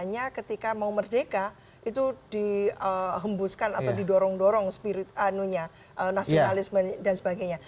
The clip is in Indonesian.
misalnya ketika mau merdeka itu dihembuskan atau didorong dorong spirit nasionalisme dan sebagainya